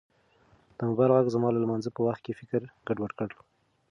د موبایل غږ زما د لمانځه په وخت کې فکر ګډوډ کړ.